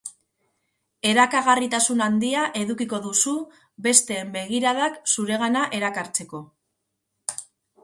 Erakagarritasun handia edukiko duzu besteen begiradak zuregana erakartzeko.